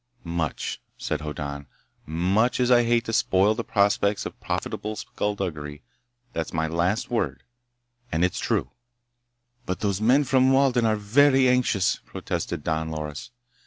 "Much," said Hoddan, "much as I hate to spoil the prospects of profitable skulduggery, that's my last word and it's true." "But those men from Walden are very anxious!" protested Don Loris.